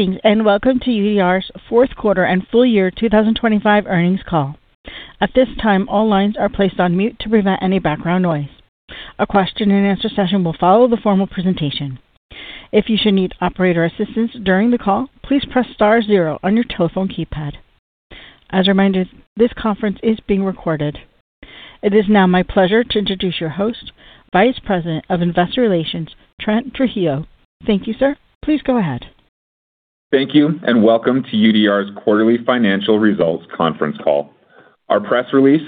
Good evening and welcome to UDR's fourth quarter and full year 2025 earnings call. At this time, all lines are placed on mute to prevent any background noise. A question-and-answer session will follow the formal presentation. If you should need operator assistance during the call, please press star zero on your telephone keypad. As a reminder, this conference is being recorded. It is now my pleasure to introduce your host, Vice President of Investor Relations, Trent Trujillo. Thank you, sir. Please go ahead. Thank you and welcome to UDR's quarterly financial results conference call. Our press release,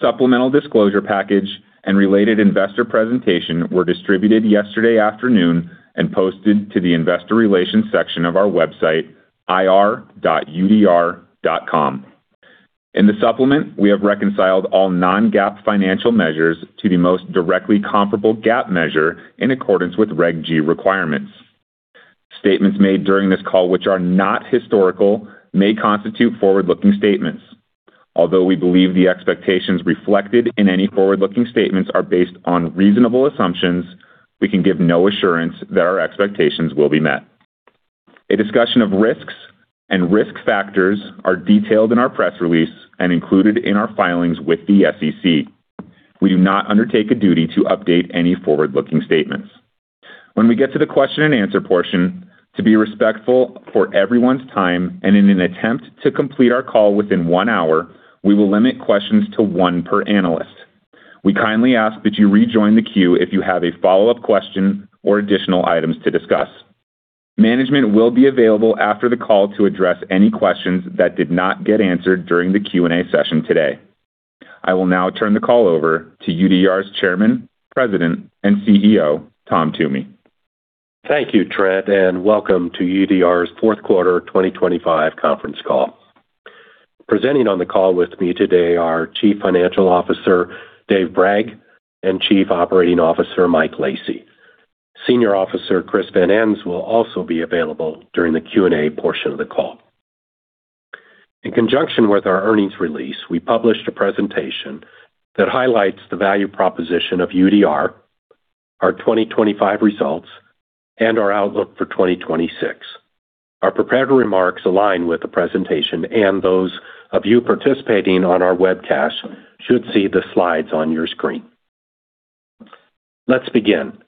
supplemental disclosure package, and related investor presentation were distributed yesterday afternoon and posted to the investor relations section of our website, ir.udr.com. In the supplement, we have reconciled all non-GAAP financial measures to the most directly comparable GAAP measure in accordance with Reg G requirements. Statements made during this call, which are not historical, may constitute forward-looking statements. Although we believe the expectations reflected in any forward-looking statements are based on reasonable assumptions, we can give no assurance that our expectations will be met. A discussion of risks and risk factors are detailed in our press release and included in our filings with the SEC. We do not undertake a duty to update any forward-looking statements. When we get to the question-and-answer portion, to be respectful for everyone's time and in an attempt to complete our call within one hour, we will limit questions to one per analyst. We kindly ask that you rejoin the queue if you have a follow-up question or additional items to discuss. Management will be available after the call to address any questions that did not get answered during the Q&A session today. I will now turn the call over to UDR's Chairman, President, and CEO, Tom Toomey. Thank you, Trent, and welcome to UDR's fourth quarter 2025 conference call. Presenting on the call with me today are Chief Financial Officer Dave Bragg and Chief Operating Officer Mike Lacy. Senior Officer Chris Van Ens will also be available during the Q&A portion of the call. In conjunction with our earnings release, we published a presentation that highlights the value proposition of UDR, our 2025 results, and our outlook for 2026. Our preparatory remarks align with the presentation, and those of you participating on our webcast should see the slides on your screen. Let's begin.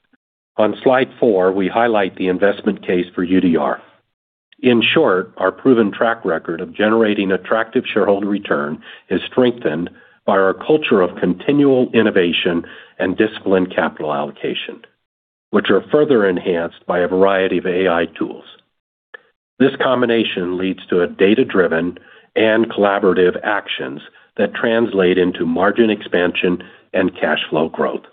On slide four, we highlight the investment case for UDR. In short, our proven track record of generating attractive shareholder return is strengthened by our culture of continual innovation and disciplined capital allocation, which are further enhanced by a variety of AI tools. This combination leads to data-driven and collaborative actions that translate into margin expansion and cash flow growth.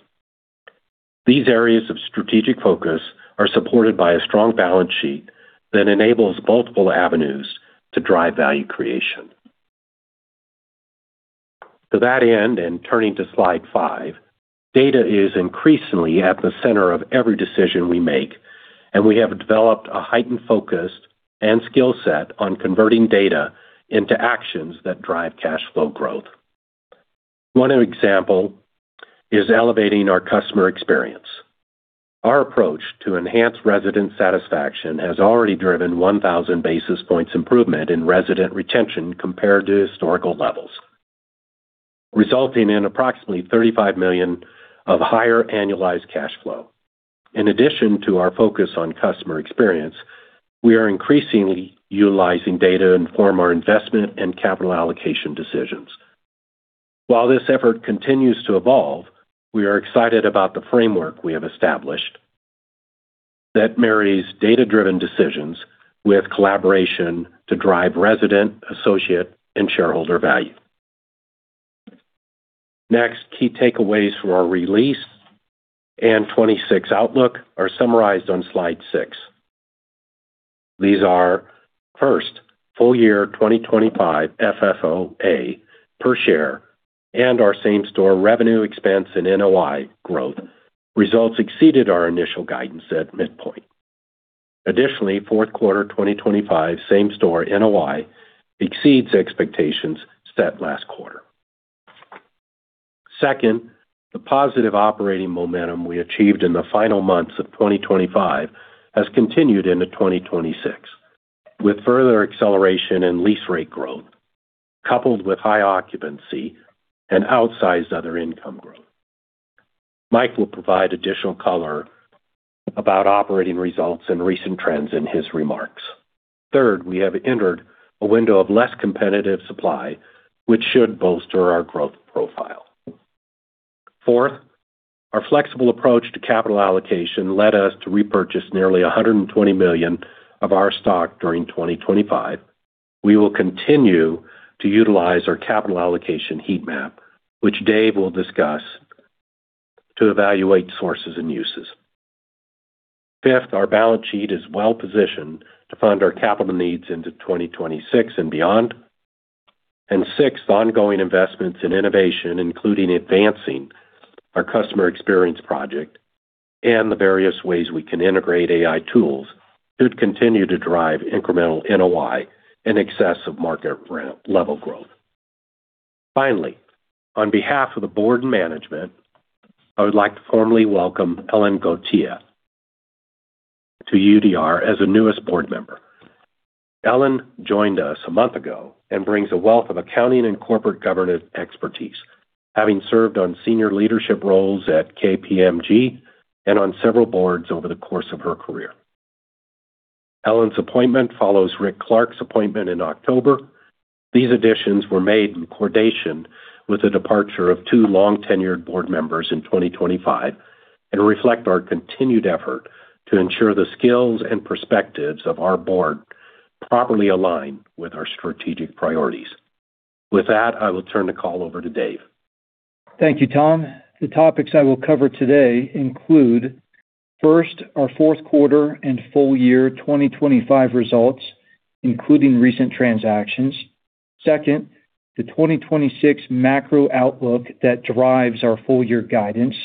These areas of strategic focus are supported by a strong balance sheet that enables multiple avenues to drive value creation. To that end, and turning to slide five, data is increasingly at the center of every decision we make, and we have developed a heightened focus and skill set on converting data into actions that drive cash flow growth. One example is elevating our customer experience. Our approach to enhance resident satisfaction has already driven 1,000 basis points improvement in resident retention compared to historical levels, resulting in approximately $35 million of higher annualized cash flow. In addition to our focus on customer experience, we are increasingly utilizing data and inform our investment and capital allocation decisions. While this effort continues to evolve, we are excited about the framework we have established that marries data-driven decisions with collaboration to drive resident, associate, and shareholder value. Next, key takeaways from our release and 2026 outlook are summarized on slide 6. These are, first, full year 2025 FFOA per share and our same-store revenue expense and NOI growth. Results exceeded our initial guidance at midpoint. Additionally, fourth quarter 2025 same-store NOI exceeds expectations set last quarter. Second, the positive operating momentum we achieved in the final months of 2025 has continued into 2026 with further acceleration in lease rate growth coupled with high occupancy and outsized other income growth. Mike will provide additional color about operating results and recent trends in his remarks. Third, we have entered a window of less competitive supply, which should bolster our growth profile. Fourth, our flexible approach to capital allocation led us to repurchase nearly $120 million of our stock during 2025. We will continue to utilize our Capital Allocation Heat Map, which Dave will discuss to evaluate sources and uses. Fifth, our balance sheet is well positioned to fund our capital needs into 2026 and beyond. Sixth, ongoing investments in innovation, including advancing our Customer Experience Project and the various ways we can integrate AI tools, should continue to drive incremental NOI and excessive market level growth. Finally, on behalf of the board and management, I would like to formally welcome Ellen Goitia to UDR as the newest board member. Ellen joined us a month ago and brings a wealth of accounting and corporate governance expertise, having served on senior leadership roles at KPMG and on several boards over the course of her career. Ellen's appointment follows Rick Clark's appointment in October. These additions were made in coordination with the departure of two long-tenured board members in 2025 and reflect our continued effort to ensure the skills and perspectives of our board properly align with our strategic priorities. With that, I will turn the call over to Dave. Thank you, Tom. The topics I will cover today include, first, our fourth quarter and full year 2025 results, including recent transactions. Second, the 2026 macro outlook that drives our full year guidance.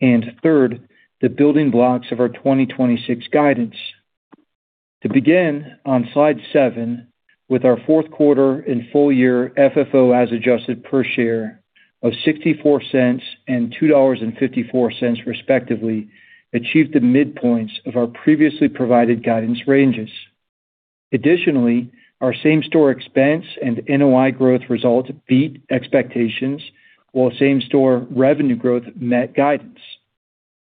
And third, the building blocks of our 2026 guidance. To begin, on slide seven, with our fourth quarter and full year FFOA as adjusted per share of $0.64 and $2.54 respectively, achieved the midpoints of our previously provided guidance ranges. Additionally, our same-store expense and NOI growth results beat expectations, while same-store revenue growth met guidance.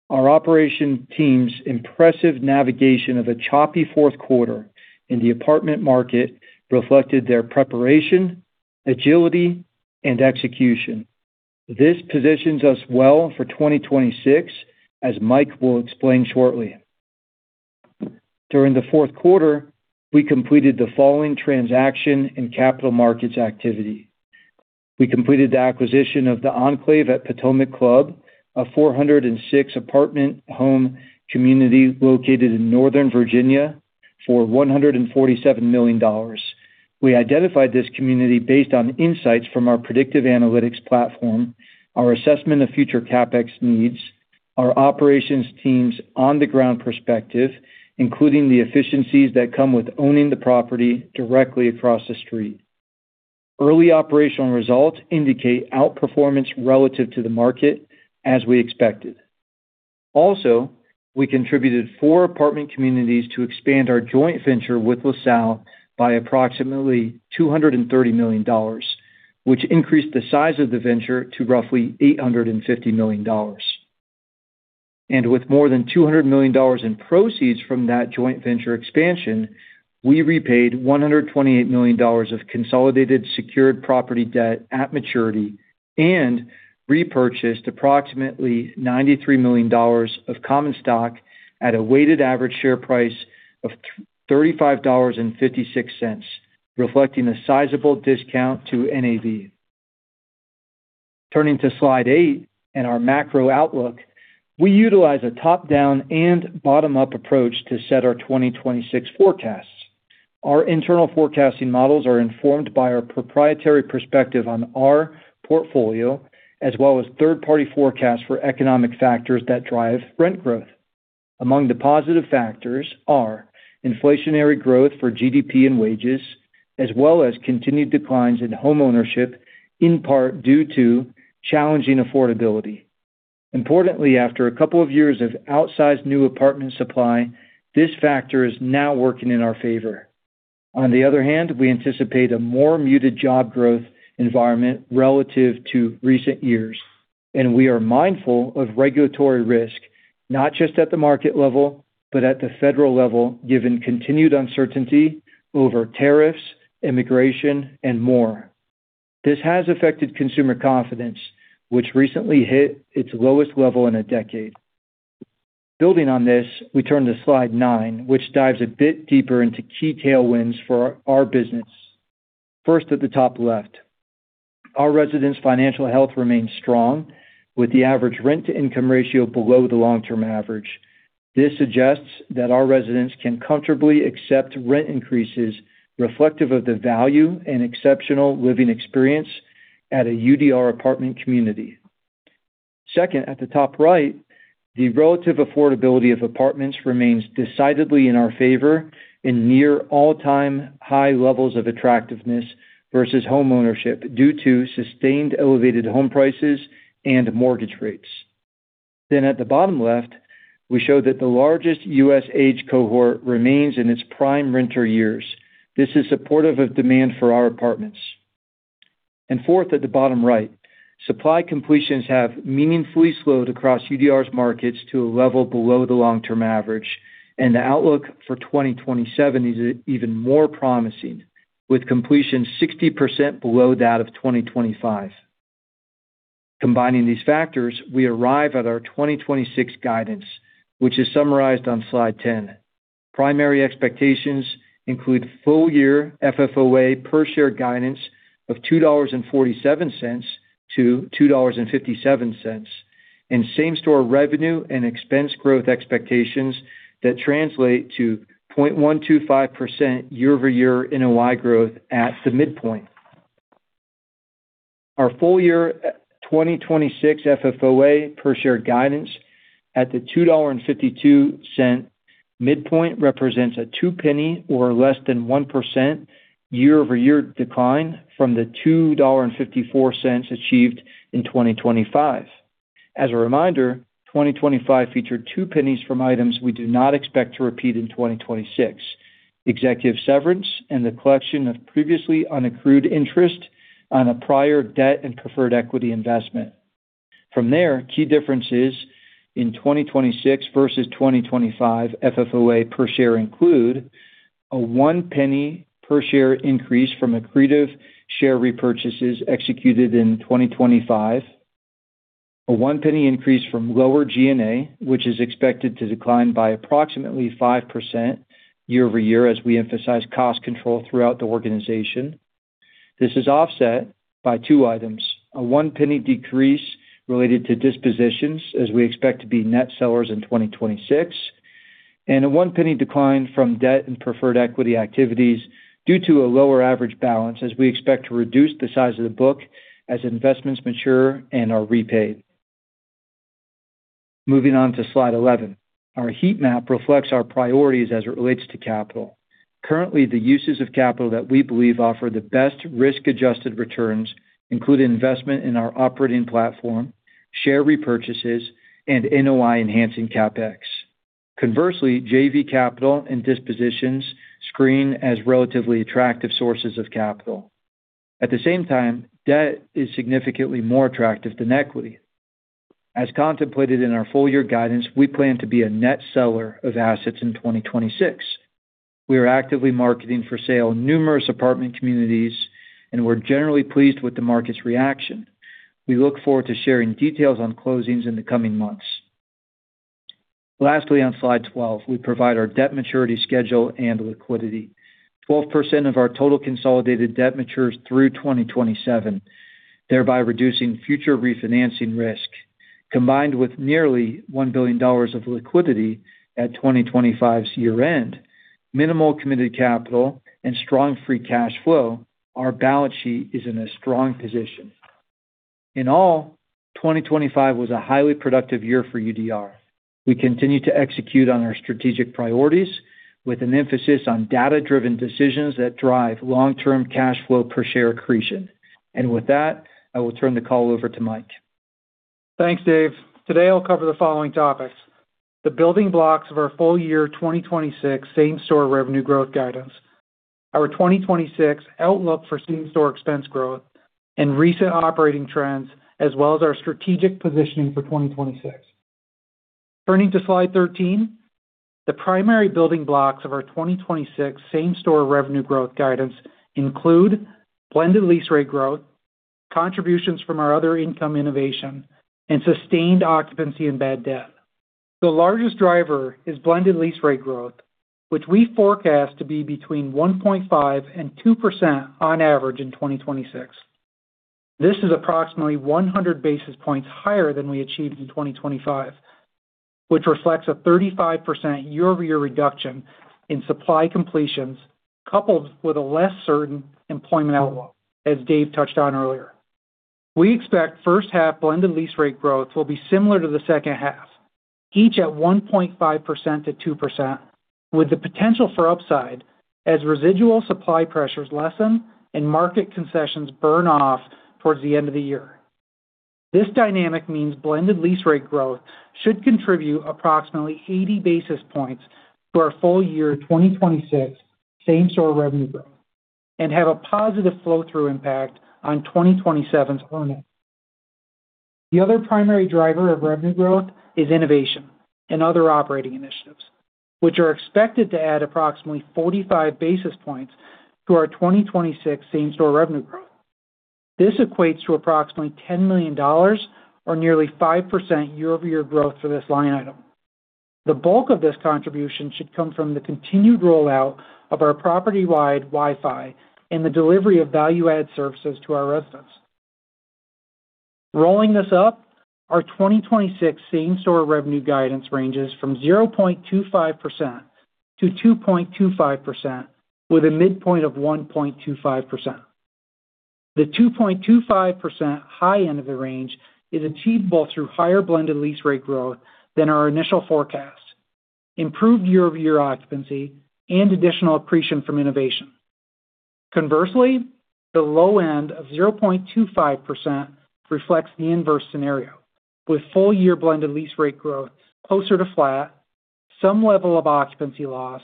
Our operations team's impressive navigation of a choppy fourth quarter in the apartment market reflected their preparation, agility, and execution. This positions us well for 2026, as Mike will explain shortly. During the fourth quarter, we completed the following transaction and capital markets activity. We completed the acquisition of the Enclave at Potomac Club, a 406-apartment home community located in Northern Virginia, for $147 million. We identified this community based on insights from our predictive analytics platform, our assessment of future CapEx needs, our operations team's on-the-ground perspective, including the efficiencies that come with owning the property directly across the street. Early operational results indicate outperformance relative to the market, as we expected. Also, we contributed four apartment communities to expand our joint venture with LaSalle by approximately $230 million, which increased the size of the venture to roughly $850 million. And with more than $200 million in proceeds from that joint venture expansion, we repaid $128 million of consolidated secured property debt at maturity and repurchased approximately $93 million of common stock at a weighted average share price of $35.56, reflecting a sizable discount to NAV. Turning to slide 8 and our macro outlook, we utilize a top-down and bottom-up approach to set our 2026 forecasts. Our internal forecasting models are informed by our proprietary perspective on our portfolio, as well as third-party forecasts for economic factors that drive rent growth. Among the positive factors are inflationary growth for GDP and wages, as well as continued declines in homeownership, in part due to challenging affordability. Importantly, after a couple of years of outsized new apartment supply, this factor is now working in our favor. On the other hand, we anticipate a more muted job growth environment relative to recent years, and we are mindful of regulatory risk, not just at the market level but at the federal level, given continued uncertainty over tariffs, immigration, and more. This has affected consumer confidence, which recently hit its lowest level in a decade. Building on this, we turn to slide 9, which dives a bit deeper into key tailwinds for our business. First, at the top left, our residents' financial health remains strong, with the average rent-to-income ratio below the long-term average. This suggests that our residents can comfortably accept rent increases reflective of the value and exceptional living experience at a UDR apartment community. Second, at the top right, the relative affordability of apartments remains decidedly in our favor in near all-time high levels of attractiveness versus homeownership due to sustained elevated home prices and mortgage rates. Then, at the bottom left, we show that the largest U.S. age cohort remains in its prime renter years. This is supportive of demand for our apartments. And fourth, at the bottom right, supply completions have meaningfully slowed across UDR's markets to a level below the long-term average, and the outlook for 2027 is even more promising, with completions 60% below that of 2025. Combining these factors, we arrive at our 2026 guidance, which is summarized on slide 10. Primary expectations include full year FFOA per share guidance of $2.47-$2.57 and same-store revenue and expense growth expectations that translate to 0.125% year-over-year NOI growth at the midpoint. Our full year 2026 FFOA per share guidance at the $2.52 midpoint represents a two-penny or less than 1% year-over-year decline from the $2.54 achieved in 2025. As a reminder, 2025 featured two pennies from items we do not expect to repeat in 2026: executive severance and the collection of previously unaccrued interest on a prior debt and preferred equity investment. From there, key differences in 2026 versus 2025 FFOA per share include a $0.01 per share increase from accretive share repurchases executed in 2025, a $0.01 increase from lower G&A, which is expected to decline by approximately 5% year-over-year, as we emphasize cost control throughout the organization. This is offset by two items: a $0.01 decrease related to dispositions, as we expect to be net sellers in 2026, and a $0.01 decline from debt and preferred equity activities due to a lower average balance, as we expect to reduce the size of the book as investments mature and are repaid. Moving on to slide 11, our heat map reflects our priorities as it relates to capital. Currently, the uses of capital that we believe offer the best risk-adjusted returns include investment in our operating platform, share repurchases, and NOI-enhancing CapEx. Conversely, JV capital and dispositions screen as relatively attractive sources of capital. At the same time, debt is significantly more attractive than equity. As contemplated in our full year guidance, we plan to be a net seller of assets in 2026. We are actively marketing for sale numerous apartment communities, and we're generally pleased with the market's reaction. We look forward to sharing details on closings in the coming months. Lastly, on slide 12, we provide our debt maturity schedule and liquidity. 12% of our total consolidated debt matures through 2027, thereby reducing future refinancing risk. Combined with nearly $1 billion of liquidity at 2025's year-end, minimal committed capital, and strong free cash flow, our balance sheet is in a strong position. In all, 2025 was a highly productive year for UDR. We continue to execute on our strategic priorities with an emphasis on data-driven decisions that drive long-term cash flow per share accretion. With that, I will turn the call over to Mike. Thanks, Dave. Today, I'll cover the following topics: the building blocks of our full year 2026 same-store revenue growth guidance, our 2026 outlook for same-store expense growth and recent operating trends, as well as our strategic positioning for 2026. Turning to slide 13, the primary building blocks of our 2026 same-store revenue growth guidance include blended lease rate growth, contributions from our other income innovation, and sustained occupancy and bad debt. The largest driver is blended lease rate growth, which we forecast to be between 1.5% and 2% on average in 2026. This is approximately 100 basis points higher than we achieved in 2025, which reflects a 35% year-over-year reduction in supply completions coupled with a less certain employment outlook, as Dave touched on earlier. We expect first-half blended lease rate growth will be similar to the second-half, each at 1.5%-2%, with the potential for upside as residual supply pressures lessen and market concessions burn off towards the end of the year. This dynamic means blended lease rate growth should contribute approximately 80 basis points to our full year 2026 same-store revenue growth and have a positive flow-through impact on 2027's earnings. The other primary driver of revenue growth is innovation and other operating initiatives, which are expected to add approximately 45 basis points to our 2026 same-store revenue growth. This equates to approximately $10 million or nearly 5% year-over-year growth for this line item. The bulk of this contribution should come from the continued rollout of our property-wide Wi-Fi and the delivery of value-added services to our residents. Rolling this up, our 2026 same-store revenue guidance ranges from 0.25%-2.25%, with a midpoint of 1.25%. The 2.25% high end of the range is achieved both through higher blended lease rate growth than our initial forecast, improved year-over-year occupancy, and additional accretion from innovation. Conversely, the low end of 0.25% reflects the inverse scenario, with full year blended lease rate growth closer to flat, some level of occupancy loss,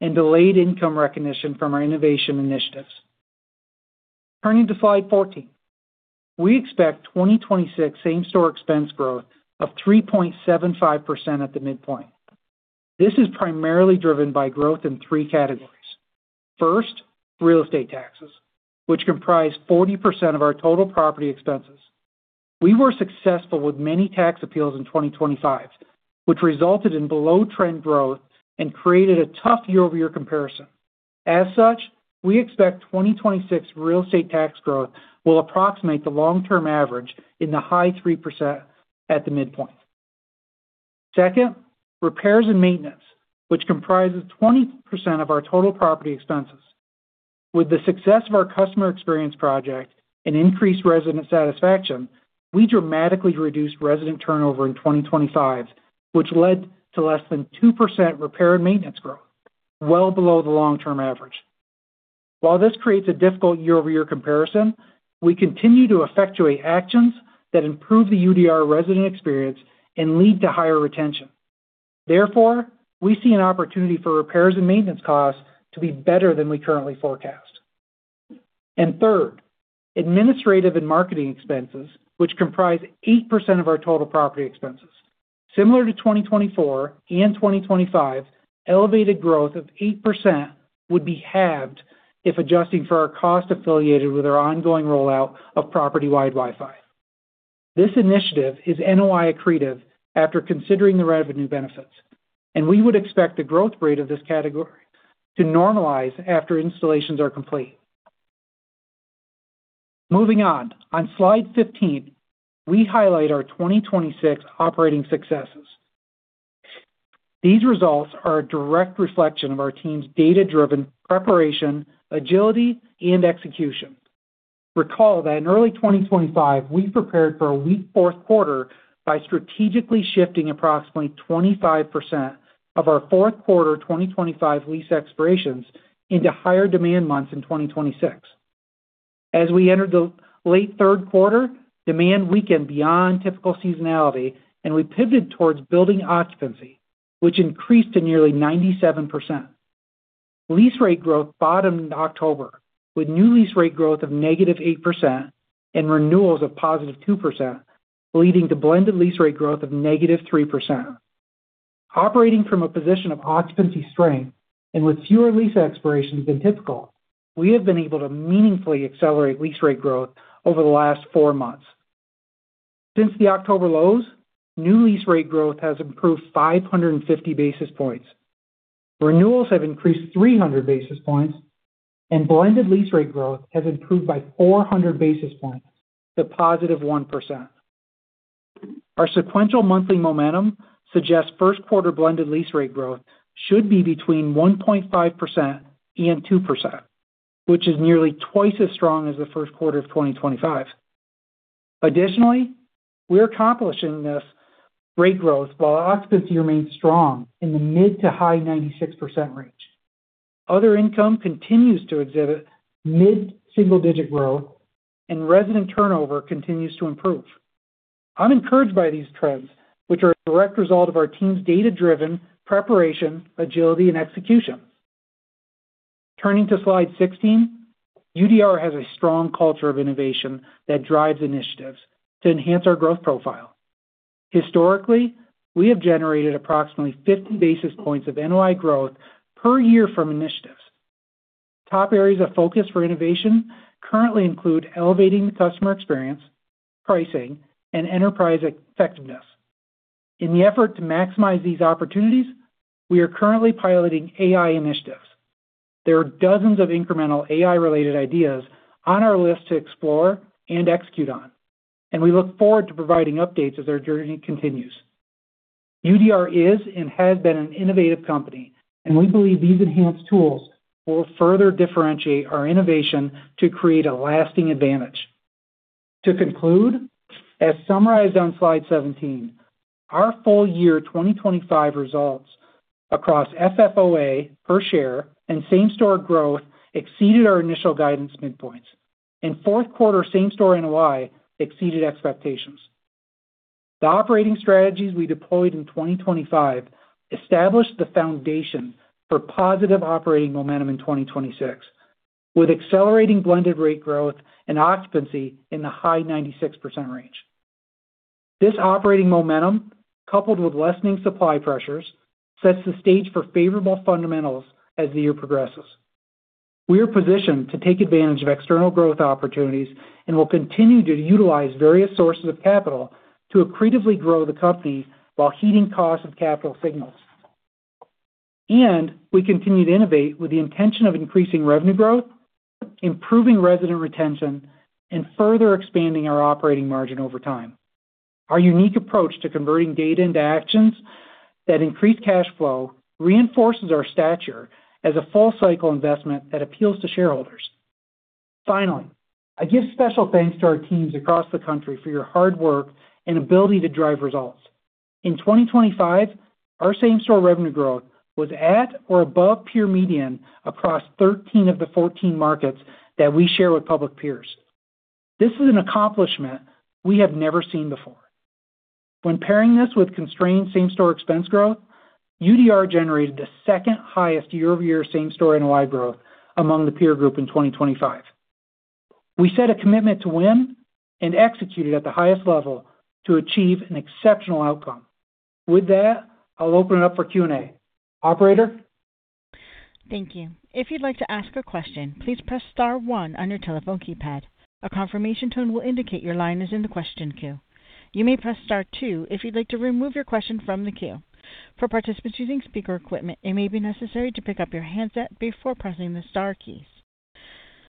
and delayed income recognition from our innovation initiatives. Turning to slide 14, we expect 2026 same-store expense growth of 3.75% at the midpoint. This is primarily driven by growth in three categories. First, real estate taxes, which comprise 40% of our total property expenses. We were successful with many tax appeals in 2025, which resulted in below-trend growth and created a tough year-over-year comparison. As such, we expect 2026 real estate tax growth will approximate the long-term average in the high 3% at the midpoint. Second, repairs and maintenance, which comprises 20% of our total property expenses. With the success of our customer experience project and increased resident satisfaction, we dramatically reduced resident turnover in 2025, which led to less than 2% repair and maintenance growth, well below the long-term average. While this creates a difficult year-over-year comparison, we continue to effectuate actions that improve the UDR resident experience and lead to higher retention. Therefore, we see an opportunity for repairs and maintenance costs to be better than we currently forecast. And third, administrative and marketing expenses, which comprise 8% of our total property expenses. Similar to 2024 and 2025, elevated growth of 8% would be halved if adjusting for our cost affiliated with our ongoing rollout of property-wide Wi-Fi. This initiative is NOI-accretive after considering the revenue benefits, and we would expect the growth rate of this category to normalize after installations are complete. Moving on, on Slide 15, we highlight our 2026 operating successes. These results are a direct reflection of our team's data-driven preparation, agility, and execution. Recall that in early 2025, we prepared for a weak fourth quarter by strategically shifting approximately 25% of our fourth quarter 2025 lease expirations into higher demand months in 2026. As we entered the late third quarter, demand weakened beyond typical seasonality, and we pivoted towards building occupancy, which increased to nearly 97%. Lease rate growth bottomed in October, with new lease rate growth of -8% and renewals of +2% leading to blended lease rate growth of -3%. Operating from a position of occupancy strength and with fewer lease expirations than typical, we have been able to meaningfully accelerate lease rate growth over the last four months. Since the October lows, new lease rate growth has improved 550 basis points. Renewals have increased 300 basis points, and blended lease rate growth has improved by 400 basis points to +1%. Our sequential monthly momentum suggests first-quarter blended lease rate growth should be between 1.5% and 2%, which is nearly twice as strong as the first quarter of 2025. Additionally, we're accomplishing this rate growth while occupancy remains strong in the mid- to high 96% range. Other income continues to exhibit mid-single-digit growth, and resident turnover continues to improve. I'm encouraged by these trends, which are a direct result of our team's data-driven preparation, agility, and execution. Turning to slide 16, UDR has a strong culture of innovation that drives initiatives to enhance our growth profile. Historically, we have generated approximately 50 basis points of NOI growth per year from initiatives. Top areas of focus for innovation currently include elevating the customer experience, pricing, and enterprise effectiveness. In the effort to maximize these opportunities, we are currently piloting AI initiatives. There are dozens of incremental AI-related ideas on our list to explore and execute on, and we look forward to providing updates as our journey continues. UDR is and has been an innovative company, and we believe these enhanced tools will further differentiate our innovation to create a lasting advantage. To conclude, as summarized on slide 17, our full year 2025 results across FFOA per share and same-store growth exceeded our initial guidance midpoints, and fourth quarter same-store NOI exceeded expectations. The operating strategies we deployed in 2025 established the foundation for positive operating momentum in 2026, with accelerating blended rate growth and occupancy in the high 96% range. This operating momentum, coupled with lessening supply pressures, sets the stage for favorable fundamentals as the year progresses. We are positioned to take advantage of external growth opportunities and will continue to utilize various sources of capital to accretively grow the company while heeding costs of capital signals. We continue to innovate with the intention of increasing revenue growth, improving resident retention, and further expanding our operating margin over time. Our unique approach to converting data into actions that increase cash flow reinforces our stature as a full-cycle investment that appeals to shareholders. Finally, I give special thanks to our teams across the country for your hard work and ability to drive results. In 2025, our same-store revenue growth was at or above peer median across 13 of the 14 markets that we share with public peers. This is an accomplishment we have never seen before. When pairing this with constrained same-store expense growth, UDR generated the second-highest year-over-year same-store NOI growth among the peer group in 2025. We set a commitment to win and executed at the highest level to achieve an exceptional outcome. With that, I'll open it up for Q&A. Operator? Thank you. If you'd like to ask a question, please press star one on your telephone keypad. A confirmation tone will indicate your line is in the question queue. You may press star two if you'd like to remove your question from the queue. For participants using speaker equipment, it may be necessary to pick up your handset before pressing the star keys.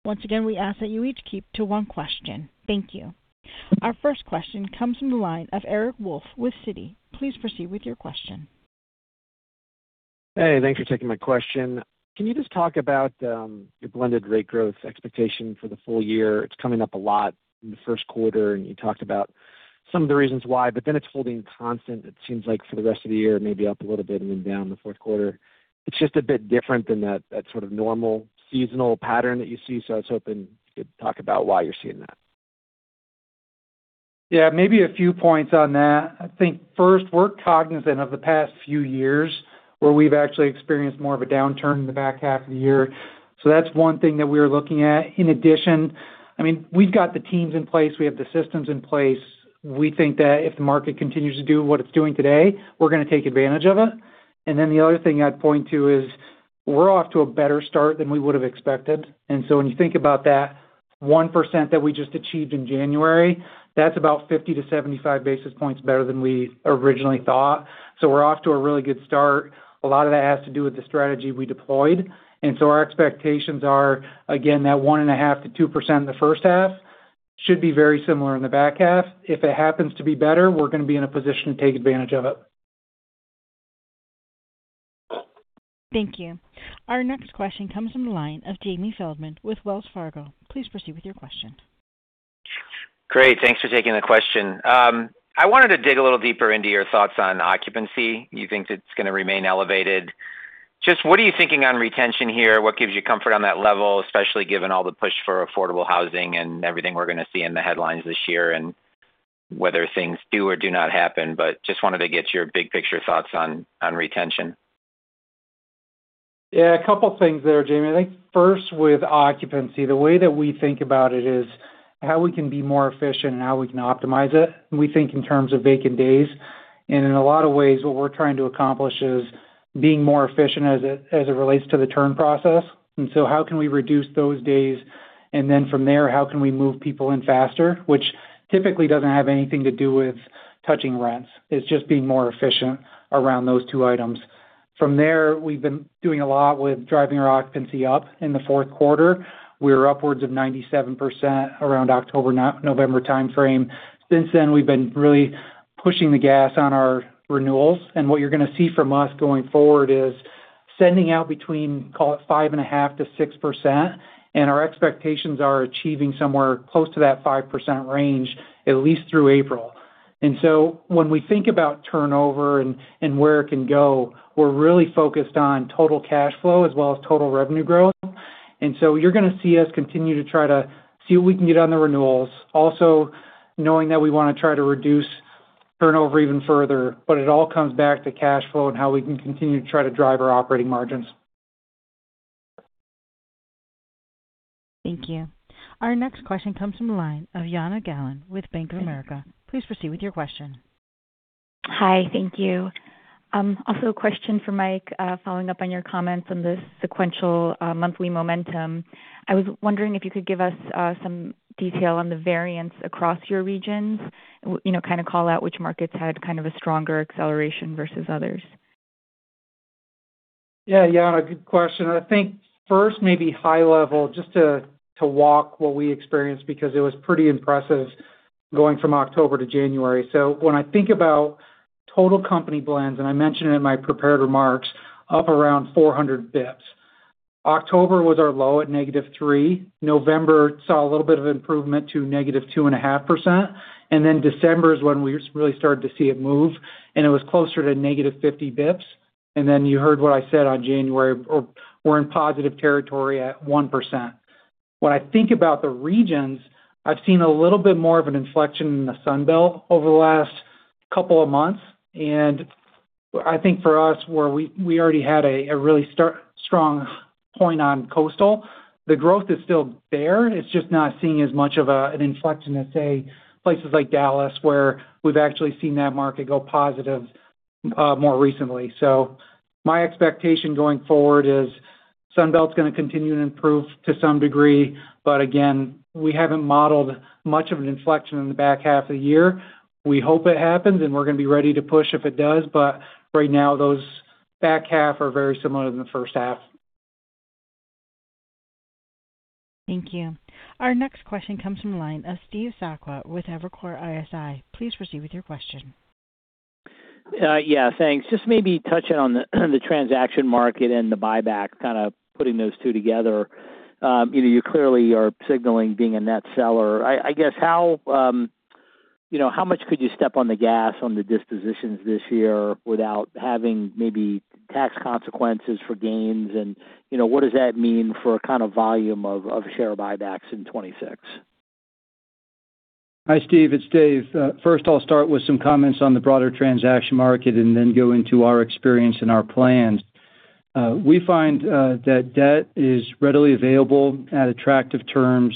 Once again, we ask that you each keep to one question. Thank you. Our first question comes from the line of Eric Wolfe with Citi. Please proceed with your question. Hey, thanks for taking my question. Can you just talk about your blended rate growth expectation for the full year? It's coming up a lot in the first quarter, and you talked about some of the reasons why, but then it's holding constant. It seems like for the rest of the year, maybe up a little bit and then down in the fourth quarter. It's just a bit different than that sort of normal seasonal pattern that you see, so I was hoping you could talk about why you're seeing that. Yeah, maybe a few points on that. I think, first, we're cognizant of the past few years where we've actually experienced more of a downturn in the back half of the year. So that's one thing that we are looking at. In addition, I mean, we've got the teams in place. We have the systems in place. We think that if the market continues to do what it's doing today, we're going to take advantage of it. And then the other thing I'd point to is we're off to a better start than we would have expected. And so when you think about that 1% that we just achieved in January, that's about 50-75 basis points better than we originally thought. So we're off to a really good start. A lot of that has to do with the strategy we deployed. Our expectations are, again, that 1.5%-2% in the first half should be very similar in the back half. If it happens to be better, we're going to be in a position to take advantage of it. Thank you. Our next question comes from the line of Jamie Feldman with Wells Fargo. Please proceed with your question. Great. Thanks for taking the question. I wanted to dig a little deeper into your thoughts on occupancy. You think it's going to remain elevated. Just what are you thinking on retention here? What gives you comfort on that level, especially given all the push for affordable housing and everything we're going to see in the headlines this year and whether things do or do not happen? But just wanted to get your big-picture thoughts on retention. Yeah, a couple of things there, Jamie. I think, first, with occupancy, the way that we think about it is how we can be more efficient and how we can optimize it. We think in terms of vacant days. And in a lot of ways, what we're trying to accomplish is being more efficient as it relates to the turn process. And so how can we reduce those days? And then from there, how can we move people in faster, which typically doesn't have anything to do with touching rents? It's just being more efficient around those two items. From there, we've been doing a lot with driving our occupancy up in the fourth quarter. We were upwards of 97% around October-November timeframe. Since then, we've been really pushing the gas on our renewals. What you're going to see from us going forward is sending out between, call it, 5.5%-6%. Our expectations are achieving somewhere close to that 5% range, at least through April. So when we think about turnover and where it can go, we're really focused on total cash flow as well as total revenue growth. You're going to see us continue to try to see what we can get on the renewals, also knowing that we want to try to reduce turnover even further. But it all comes back to cash flow and how we can continue to try to drive our operating margins. Thank you. Our next question comes from the line of Jana Galan with Bank of America. Please proceed with your question. Hi. Thank you. Also, a question for Mike, following up on your comments on the sequential monthly momentum. I was wondering if you could give us some detail on the variance across your regions, kind of call out which markets had kind of a stronger acceleration versus others? Yeah, Jana, good question. I think, first, maybe high-level, just to walk what we experienced because it was pretty impressive going from October to January. So when I think about total company blends, and I mentioned it in my prepared remarks, up around 400 basis points. October was our low at -3%. November saw a little bit of improvement to -2.5%. And then December is when we really started to see it move, and it was closer to -50 basis points. And then you heard what I said on January. We're in positive territory at 1%. When I think about the regions, I've seen a little bit more of an inflection in the Sunbelt over the last couple of months. And I think for us, where we already had a really strong point on coastal, the growth is still there. It's just not seeing as much of an inflection as, say, places like Dallas where we've actually seen that market go positive more recently. So my expectation going forward is Sunbelt's going to continue to improve to some degree. But again, we haven't modeled much of an inflection in the back half of the year. We hope it happens, and we're going to be ready to push if it does. But right now, those back half are very similar to the first half. Thank you. Our next question comes from the line of Steve Sakwa with Evercore ISI. Please proceed with your question. Yeah, thanks. Just maybe touching on the transaction market and the buyback, kind of putting those two together. You clearly are signaling being a net seller. I guess, how much could you step on the gas on the dispositions this year without having maybe tax consequences for gains? And what does that mean for a kind of volume of share buybacks in 2026? Hi, Steve. It's Dave. First, I'll start with some comments on the broader transaction market and then go into our experience and our plans. We find that debt is readily available at attractive terms.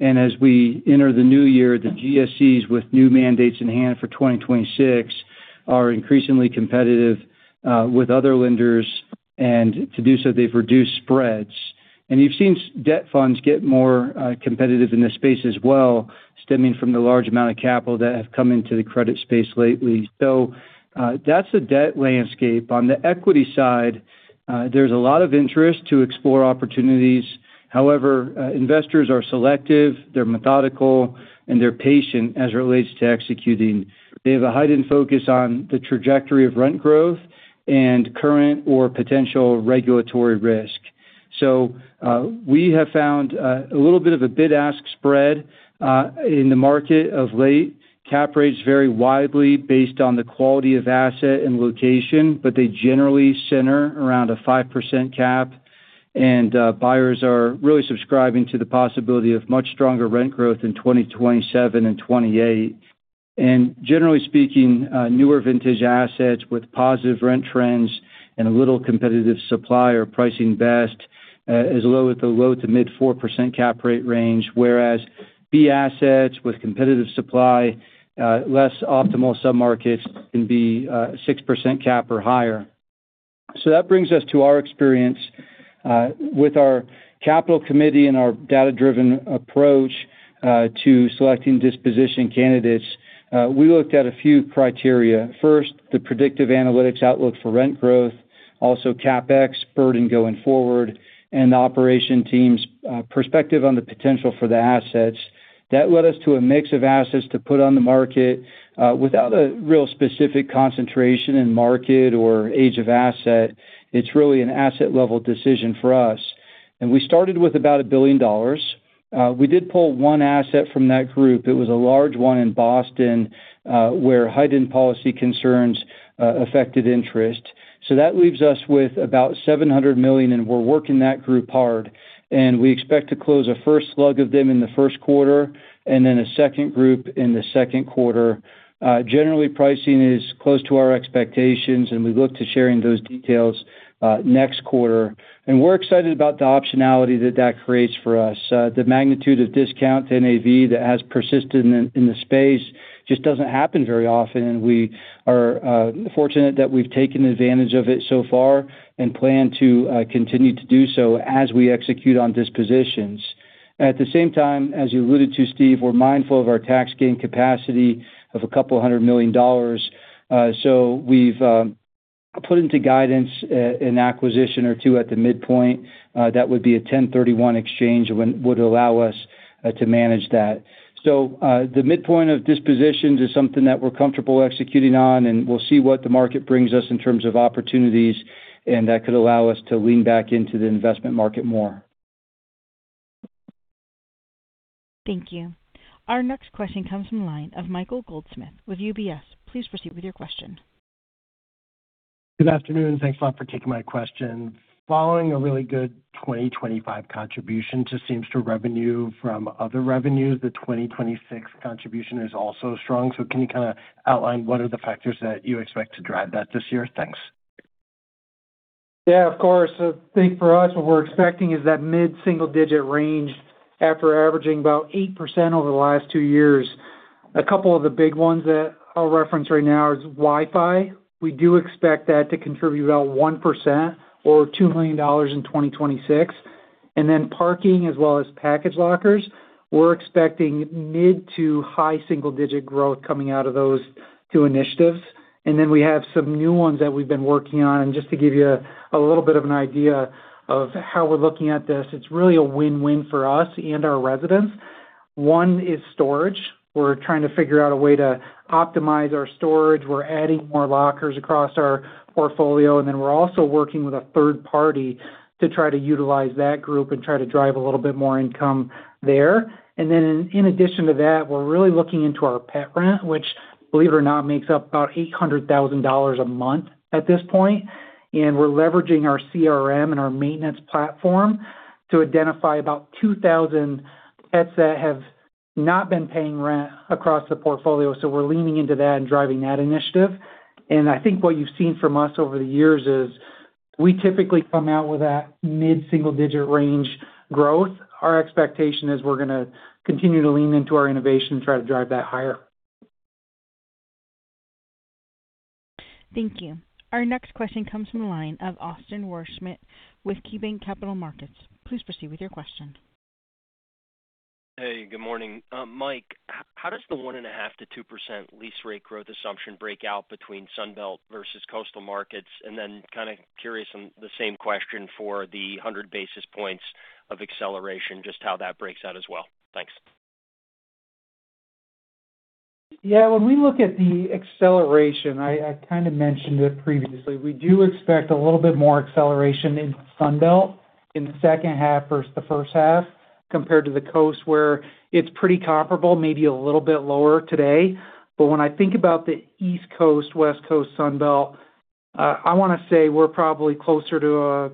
As we enter the new year, the GSEs, with new mandates in hand for 2026, are increasingly competitive with other lenders. To do so, they've reduced spreads. You've seen debt funds get more competitive in this space as well, stemming from the large amount of capital that have come into the credit space lately. So that's the debt landscape. On the equity side, there's a lot of interest to explore opportunities. However, investors are selective. They're methodical, and they're patient as it relates to executing. They have a heightened focus on the trajectory of rent growth and current or potential regulatory risk. We have found a little bit of a bid-ask spread in the market of late. Cap rates vary widely based on the quality of asset and location, but they generally center around a 5% cap. Buyers are really subscribing to the possibility of much stronger rent growth in 2027 and 2028. Generally speaking, newer vintage assets with positive rent trends and a little competitive supply are pricing best at the low to mid-4% cap rate range, whereas B assets with competitive supply, less optimal submarkets can be 6% cap or higher. That brings us to our experience. With our capital committee and our data-driven approach to selecting disposition candidates, we looked at a few criteria. First, the predictive analytics outlook for rent growth, also CapEx burden going forward, and the operation team's perspective on the potential for the assets. That led us to a mix of assets to put on the market without a real specific concentration in market or age of asset. It's really an asset-level decision for us. We started with about $1 billion. We did pull one asset from that group. It was a large one in Boston where heightened policy concerns affected interest. That leaves us with about $700 million. We're working that group hard. We expect to close a first slug of them in the first quarter and then a second group in the second quarter. Generally, pricing is close to our expectations, and we look to sharing those details next quarter. We're excited about the optionality that that creates for us. The magnitude of discount to NAV that has persisted in the space just doesn't happen very often. We are fortunate that we've taken advantage of it so far and plan to continue to do so as we execute on dispositions. At the same time, as you alluded to, Steve, we're mindful of our tax gain capacity of $200 million. We've put into guidance an acquisition or two at the midpoint that would be a 1031 Exchange and would allow us to manage that. The midpoint of dispositions is something that we're comfortable executing on, and we'll see what the market brings us in terms of opportunities. That could allow us to lean back into the investment market more. Thank you. Our next question comes from the line of Michael Goldsmith with UBS. Please proceed with your question. Good afternoon. Thanks a lot for taking my question. Following a really good 2025 contribution to same-store revenue from other revenues, the 2026 contribution is also strong. So can you kind of outline what are the factors that you expect to drive that this year? Thanks. Yeah, of course. I think for us, what we're expecting is that mid-single-digit range after averaging about 8% over the last two years. A couple of the big ones that I'll reference right now is Wi-Fi. We do expect that to contribute about 1% or $2 million in 2026. And then parking as well as package lockers, we're expecting mid to high single-digit growth coming out of those two initiatives. And then we have some new ones that we've been working on. And just to give you a little bit of an idea of how we're looking at this, it's really a win-win for us and our residents. One is storage. We're trying to figure out a way to optimize our storage. We're adding more lockers across our portfolio. And then we're also working with a third party to try to utilize that group and try to drive a little bit more income there. And then in addition to that, we're really looking into our pet rent, which, believe it or not, makes up about $800,000 a month at this point. And we're leveraging our CRM and our maintenance platform to identify about 2,000 pets that have not been paying rent across the portfolio. So we're leaning into that and driving that initiative. And I think what you've seen from us over the years is we typically come out with that mid-single-digit range growth. Our expectation is we're going to continue to lean into our innovation and try to drive that higher. Thank you. Our next question comes from the line of Austin Wurschmidt with KeyBanc Capital Markets. Please proceed with your question. Hey, good morning. Mike, how does the 1.5%-2% lease rate growth assumption break out between Sunbelt versus coastal markets? And then kind of curious on the same question for the 100 basis points of acceleration, just how that breaks out as well. Thanks. Yeah, when we look at the acceleration, I kind of mentioned it previously. We do expect a little bit more acceleration in Sunbelt in the second half versus the first half compared to the coast, where it's pretty comparable, maybe a little bit lower today. But when I think about the East Coast, West Coast, Sunbelt, I want to say we're probably closer to,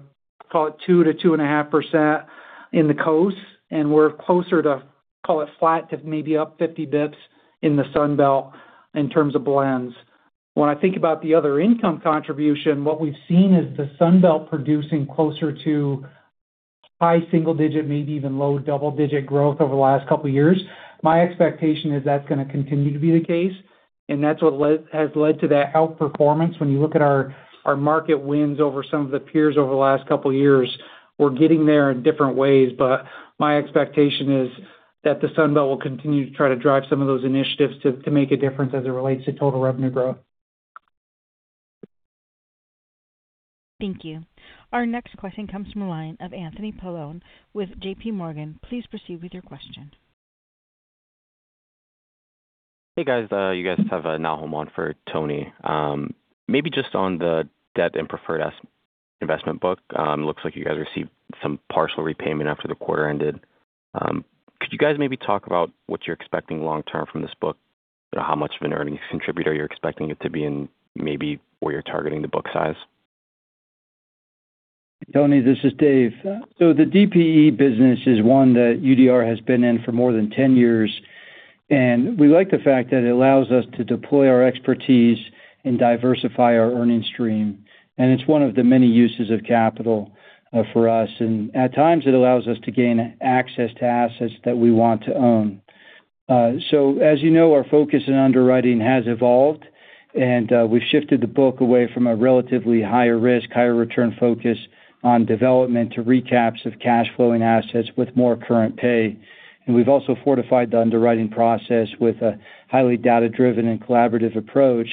call it, 2%-2.5% in the coast. And we're closer to, call it, flat to maybe up 50 basis points in the Sunbelt in terms of blends. When I think about the other income contribution, what we've seen is the Sunbelt producing closer to high single-digit, maybe even low double-digit growth over the last couple of years. My expectation is that's going to continue to be the case. And that's what has led to that outperformance. When you look at our market wins over some of the peers over the last couple of years, we're getting there in different ways. But my expectation is that the Sunbelt will continue to try to drive some of those initiatives to make a difference as it relates to total revenue growth. Thank you. Our next question comes from the line of Anthony Paolone with JPMorgan. Please proceed with your question. Hey, guys. You guys have a know-how moment for Tony. Maybe just on the debt and preferred investment book, it looks like you guys received some partial repayment after the quarter ended. Could you guys maybe talk about what you're expecting long-term from this book? How much of an earnings contributor you're expecting it to be in maybe where you're targeting the book size? Tony, this is Dave. So the DPE business is one that UDR has been in for more than 10 years. We like the fact that it allows us to deploy our expertise and diversify our earnings stream. It's one of the many uses of capital for us. At times, it allows us to gain access to assets that we want to own. As you know, our focus in underwriting has evolved. We've shifted the book away from a relatively higher risk, higher return focus on development to recaps of cash-flowing assets with more current pay. We've also fortified the underwriting process with a highly data-driven and collaborative approach.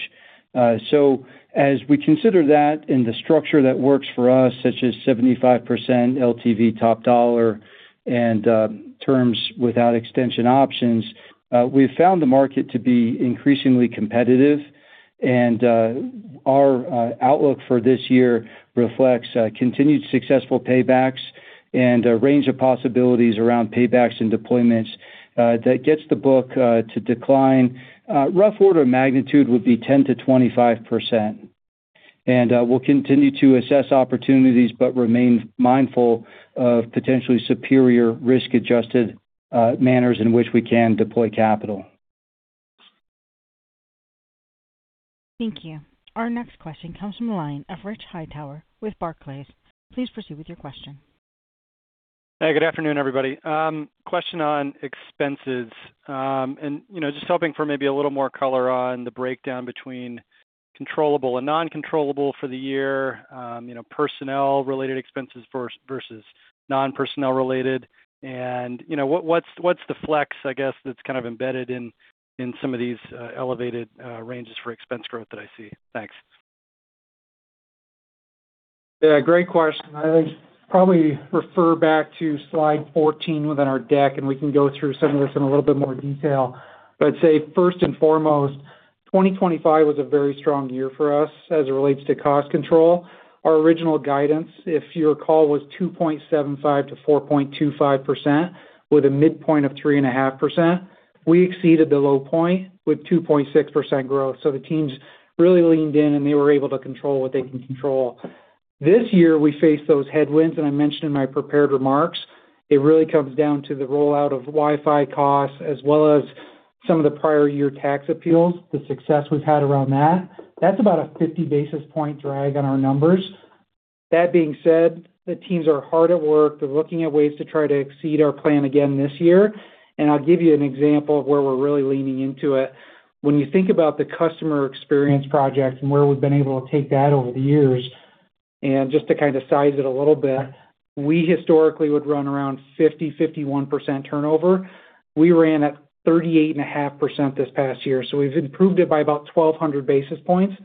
As we consider that and the structure that works for us, such as 75% LTV top dollar and terms without extension options, we've found the market to be increasingly competitive. Our outlook for this year reflects continued successful paybacks and a range of possibilities around paybacks and deployments that gets the book to decline. Rough order magnitude would be 10%-25%. We'll continue to assess opportunities but remain mindful of potentially superior risk-adjusted manners in which we can deploy capital. Thank you. Our next question comes from the line of Rich Hightower with Barclays. Please proceed with your question. Hey, good afternoon, everybody. Question on expenses. And just hoping for maybe a little more color on the breakdown between controllable and non-controllable for the year, personnel-related expenses versus non-personnel-related. And what's the flex, I guess, that's kind of embedded in some of these elevated ranges for expense growth that I see? Thanks. Yeah, great question. I'd probably refer back to slide 14 within our deck, and we can go through some of this in a little bit more detail. But I'd say first and foremost, 2025 was a very strong year for us as it relates to cost control. Our original guidance, if you recall, was 2.75%-4.25% with a midpoint of 3.5%. We exceeded the low point with 2.6% growth. So the teams really leaned in, and they were able to control what they can control. This year, we faced those headwinds. And I mentioned in my prepared remarks, it really comes down to the rollout of Wi-Fi costs as well as some of the prior year tax appeals, the success we've had around that. That's about a 50 basis point drag on our numbers. That being said, the teams are hard at work. They're looking at ways to try to exceed our plan again this year. I'll give you an example of where we're really leaning into it. When you think about the Customer Experience Project and where we've been able to take that over the years, and just to kind of size it a little bit, we historically would run around 50-51% turnover. We ran at 38.5% this past year. We've improved it by about 1,200 basis points.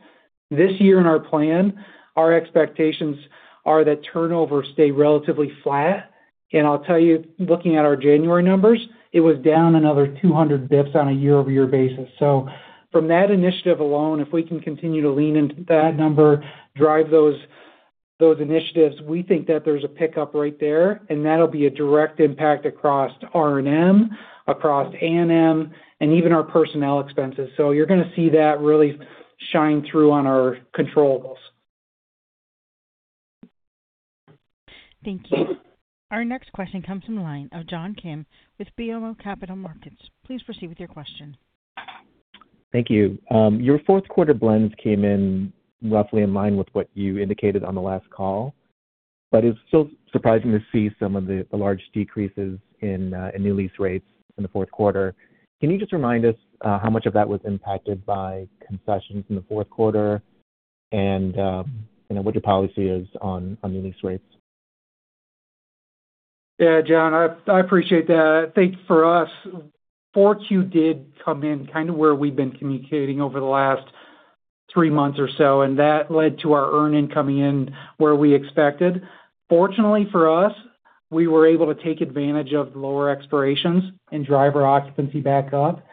This year in our plan, our expectations are that turnover stay relatively flat. I'll tell you, looking at our January numbers, it was down another 200 basis points on a year-over-year basis. From that initiative alone, if we can continue to lean into that number, drive those initiatives, we think that there's a pickup right there. That'll be a direct impact across R&M, across A&M, and even our personnel expenses. You're going to see that really shine through on our controllables. Thank you. Our next question comes from the line of John Kim with BMO Capital Markets. Please proceed with your question. Thank you. Your fourth-quarter blends came in roughly in line with what you indicated on the last call. But it's still surprising to see some of the large decreases in new lease rates in the fourth quarter. Can you just remind us how much of that was impacted by concessions in the fourth quarter and what your policy is on new lease rates? Yeah, John, I appreciate that. I think for us, 4Q did come in kind of where we've been communicating over the last three months or so. That led to our earnings coming in where we expected. Fortunately for us, we were able to take advantage of the lower expirations and drive our occupancy back up.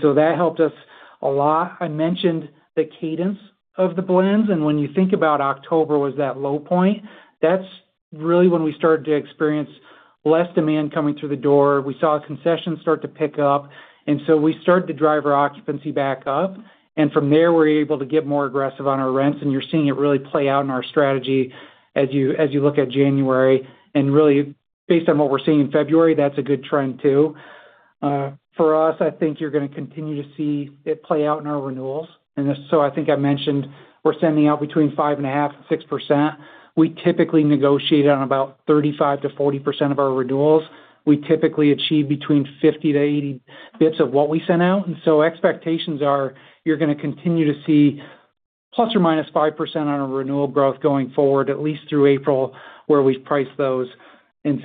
So that helped us a lot. I mentioned the cadence of the blends. When you think about October, that was that low point, that's really when we started to experience less demand coming through the door. We saw concessions start to pick up. So we started to drive our occupancy back up. From there, we're able to get more aggressive on our rents. You're seeing it really play out in our strategy as you look at January. Really, based on what we're seeing in February, that's a good trend too. For us, I think you're going to continue to see it play out in our renewals. So I think I mentioned we're sending out between 5.5%-6%. We typically negotiate on about 35%-40% of our renewals. We typically achieve between 50-80 basis points of what we send out. So expectations are you're going to continue to see ±5% on our renewal growth going forward, at least through April, where we price those.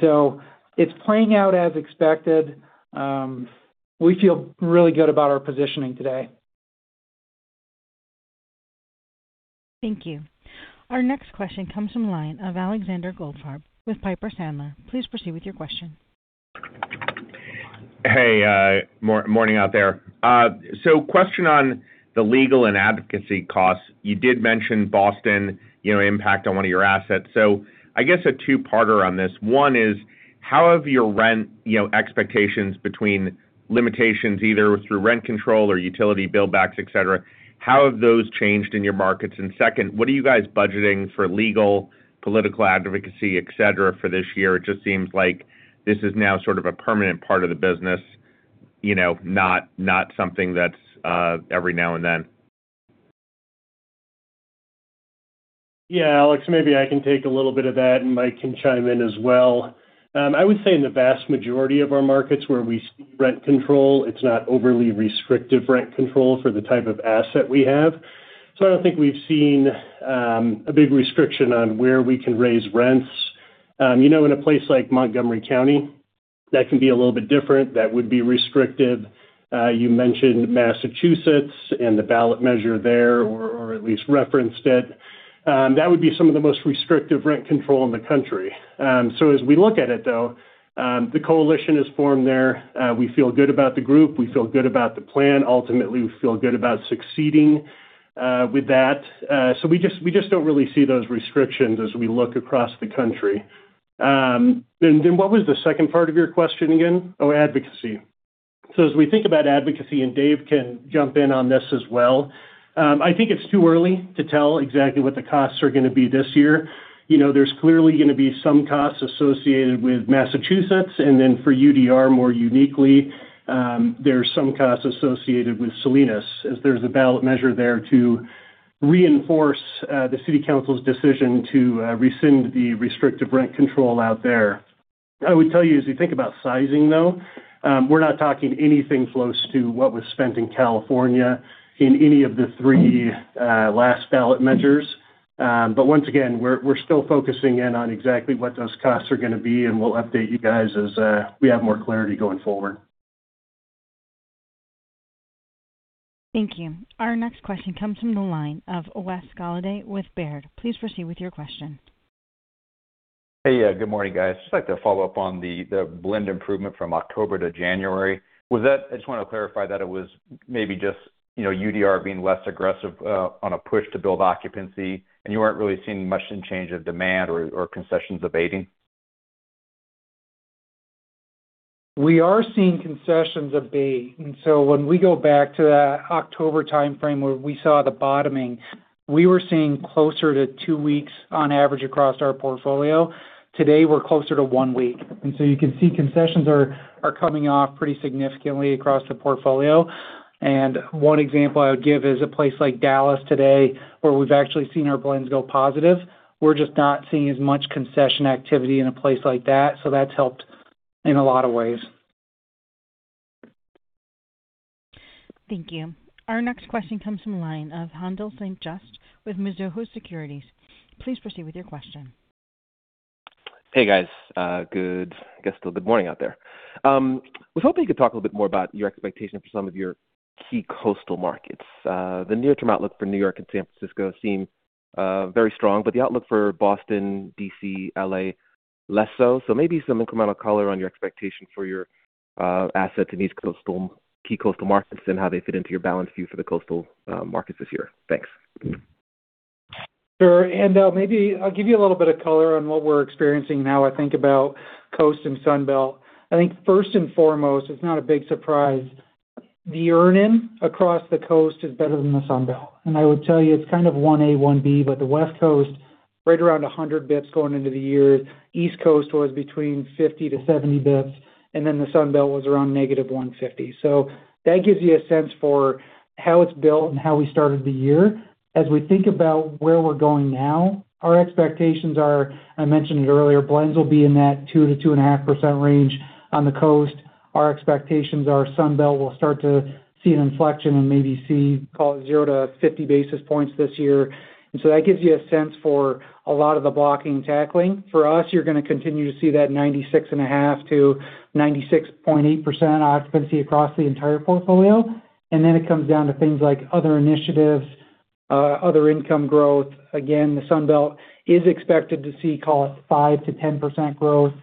So it's playing out as expected. We feel really good about our positioning today. Thank you. Our next question comes from the line of Alexander Goldfarb with Piper Sandler. Please proceed with your question. Hey, morning out there. So, question on the legal and advocacy costs. You did mention Boston impact on one of your assets. So, I guess a two-parter on this. One is, how have your rent expectations between limitations either through rent control or utility billbacks, etc., how have those changed in your markets? And second, what are you guys budgeting for legal, political advocacy, etc., for this year? It just seems like this is now sort of a permanent part of the business, not something that's every now and then. Yeah, Alex, maybe I can take a little bit of that, and Mike can chime in as well. I would say in the vast majority of our markets where we see rent control, it's not overly restrictive rent control for the type of asset we have. So I don't think we've seen a big restriction on where we can raise rents. In a place like Montgomery County, that can be a little bit different. That would be restrictive. You mentioned Massachusetts and the ballot measure there or at least referenced it. That would be some of the most restrictive rent control in the country. So as we look at it, though, the coalition has formed there. We feel good about the group. We feel good about the plan. Ultimately, we feel good about succeeding with that. So we just don't really see those restrictions as we look across the country. And then what was the second part of your question again? Oh, advocacy. So as we think about advocacy, and Dave can jump in on this as well, I think it's too early to tell exactly what the costs are going to be this year. There's clearly going to be some costs associated with Massachusetts. And then for UDR, more uniquely, there's some costs associated with Salinas as there's a ballot measure there to reinforce the city council's decision to rescind the restrictive rent control out there. I would tell you, as you think about sizing, though, we're not talking anything close to what was spent in California in any of the three last ballot measures. But once again, we're still focusing in on exactly what those costs are going to be. And we'll update you guys as we have more clarity going forward. Thank you. Our next question comes from the line of Wes Golladay with Baird. Please proceed with your question. Hey, good morning, guys. Just like to follow up on the blend improvement from October to January. I just want to clarify that it was maybe just UDR being less aggressive on a push to build occupancy, and you weren't really seeing much in change of demand or concessions abating? We are seeing concessions abate. And so when we go back to that October timeframe where we saw the bottoming, we were seeing closer to 2 weeks on average across our portfolio. Today, we're closer to 1 week. And so you can see concessions are coming off pretty significantly across the portfolio. And one example I would give is a place like Dallas today where we've actually seen our blends go positive. We're just not seeing as much concession activity in a place like that. So that's helped in a lot of ways. Thank you. Our next question comes from the line of Haendel St. Juste with Mizuho Securities. Please proceed with your question. Hey, guys. I guess still good morning out there. Was hoping you could talk a little bit more about your expectation for some of your key coastal markets. The near-term outlook for New York and San Francisco seem very strong, but the outlook for Boston, D.C., L.A., less so. So maybe some incremental color on your expectation for your assets in these key coastal markets and how they fit into your balance view for the coastal markets this year. Thanks. Sure. And maybe I'll give you a little bit of color on what we're experiencing now, I think, about coast and Sunbelt. I think first and foremost, it's not a big surprise. The earnings across the coast is better than the Sunbelt. And I would tell you, it's kind of 1A, 1B, but the West Coast, right around 100 basis points going into the year. East Coast was between 50-70 basis points. And then the Sunbelt was around -150 basis points. So that gives you a sense for how it's built and how we started the year. As we think about where we're going now, our expectations are, I mentioned it earlier. Blends will be in that 2%-2.5% range on the coast. Our expectations are Sunbelt will start to see an inflection and maybe see, call it, 0-50 basis points this year. And so that gives you a sense for a lot of the blocking and tackling. For us, you're going to continue to see that 96.5%-96.8% occupancy across the entire portfolio. Then it comes down to things like other initiatives, other income growth. Again, the Sunbelt is expected to see, call it, 5%-10% growth.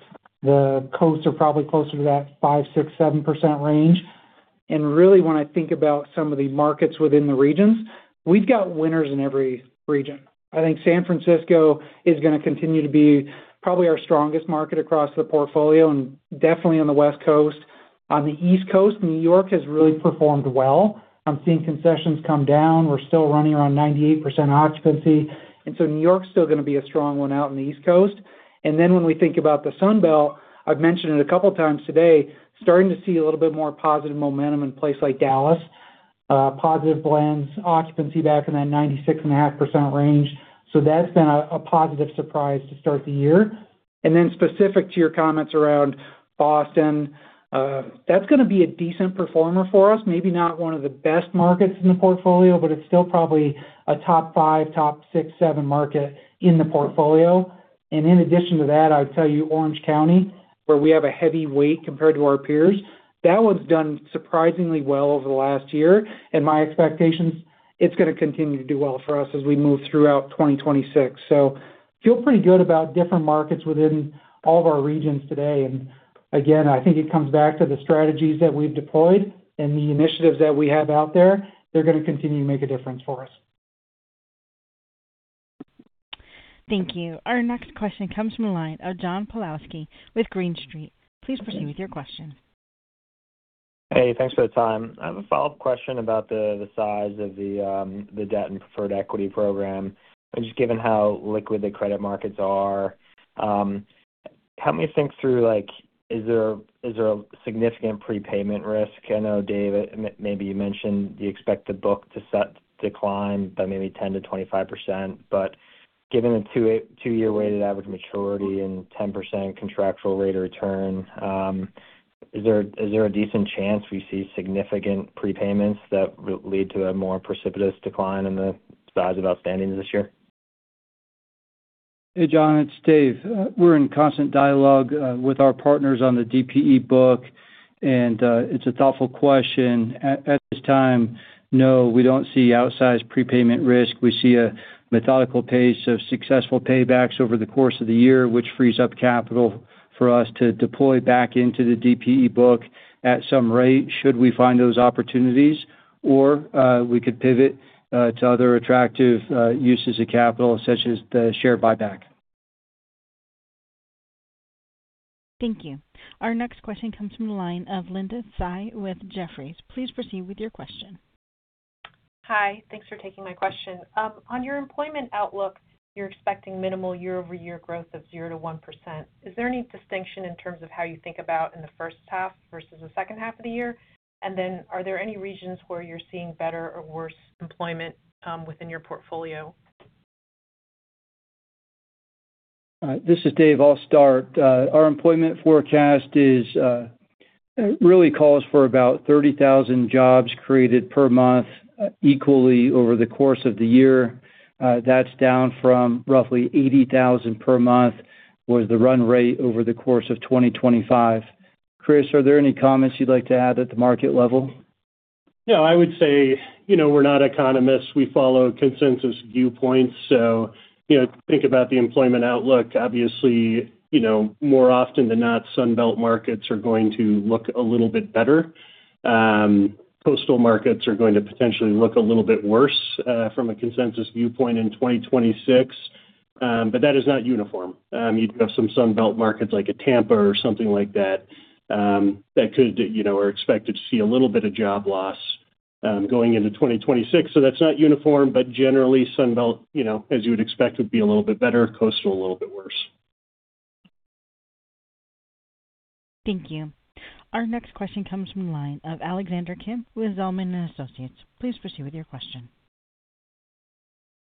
The coasts are probably closer to that 5%, 6%, 7% range. Really, when I think about some of the markets within the regions, we've got winners in every region. I think San Francisco is going to continue to be probably our strongest market across the portfolio and definitely on the West Coast. On the East Coast, New York has really performed well. I'm seeing concessions come down. We're still running around 98% occupancy. New York's still going to be a strong one out on the East Coast. When we think about the Sunbelt, I've mentioned it a couple of times today, starting to see a little bit more positive momentum in a place like Dallas, positive blends, occupancy back in that 96.5% range. That's been a positive surprise to start the year. Specific to your comments around Boston, that's going to be a decent performer for us, maybe not one of the best markets in the portfolio, but it's still probably a top 5, top 6, 7 market in the portfolio. In addition to that, I would tell you Orange County, where we have a heavy weight compared to our peers, that one's done surprisingly well over the last year. My expectations, it's going to continue to do well for us as we move throughout 2026. Feel pretty good about different markets within all of our regions today. Again, I think it comes back to the strategies that we've deployed and the initiatives that we have out there. They're going to continue to make a difference for us. Thank you. Our next question comes from the line of John Pawlowski with Green Street. Please proceed with your question. Hey, thanks for the time. I have a follow-up question about the size of the debt and preferred equity program. Just given how liquid the credit markets are, help me think through, is there a significant prepayment risk? I know, Dave, maybe you mentioned you expect the book to decline by maybe 10%-25%. Given a two-year weighted average maturity and 10% contractual rate of return, is there a decent chance we see significant prepayments that lead to a more precipitous decline in the size of outstandings this year? Hey, John. It's Dave. We're in constant dialogue with our partners on the DPC book. It's a thoughtful question. At this time, no, we don't see outsized prepayment risk. We see a methodical pace of successful paybacks over the course of the year, which frees up capital for us to deploy back into the DCP book at some rate should we find those opportunities. Or we could pivot to other attractive uses of capital, such as the share buyback. Thank you. Our next question comes from the line of Linda Tsai with Jefferies. Please proceed with your question. Hi. Thanks for taking my question. On your employment outlook, you're expecting minimal year-over-year growth of 0%-1%. Is there any distinction in terms of how you think about in the first half versus the second half of the year? And then are there any regions where you're seeing better or worse employment within your portfolio? This is Dave. I'll start. Our employment forecast really calls for about 30,000 jobs created per month equally over the course of the year. That's down from roughly 80,000 per month was the run rate over the course of 2025. Chris, are there any comments you'd like to add at the market level? No, I would say we're not economists. We follow consensus viewpoints. So think about the employment outlook. Obviously, more often than not, Sunbelt markets are going to look a little bit better. Coastal markets are going to potentially look a little bit worse from a consensus viewpoint in 2026. But that is not uniform. You do have some Sunbelt markets like Tampa or something like that that are expected to see a little bit of job loss going into 2026. So that's not uniform. But generally, Sunbelt, as you would expect, would be a little bit better, coastal a little bit worse. Thank you. Our next question comes from the line of Alexander Kim with Zelman & Associates. Please proceed with your question.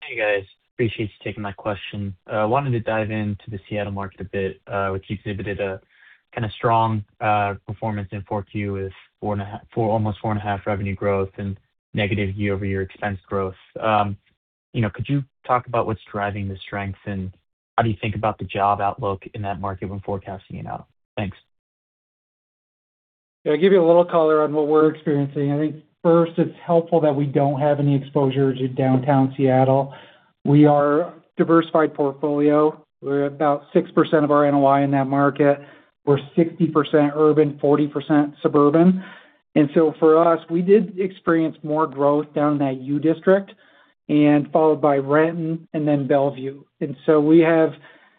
Hey, guys. Appreciate you taking my question. I wanted to dive into the Seattle market a bit, which exhibited a kind of strong performance in forecast with almost 4.5% revenue growth and negative year-over-year expense growth. Could you talk about what's driving the strength and how do you think about the job outlook in that market when forecasting it out? Thanks. Yeah, I'll give you a little color on what we're experiencing. I think first, it's helpful that we don't have any exposure to downtown Seattle. We are a diversified portfolio. We're about 6% of our NOI in that market. We're 60% urban, 40% suburban. And so for us, we did experience more growth down in that U District, followed by Renton and then Bellevue. And so we have